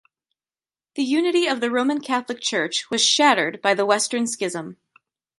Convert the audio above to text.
The unity of the Roman Catholic Church was shattered by the Western Schism.